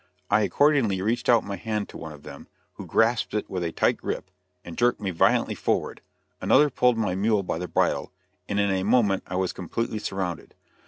I accordingly reached out my hand to one of them, who grasped it with a tight grip, and jerked me violently forward; another pulled my mule by the bridle, and in a moment I was completely surrounded.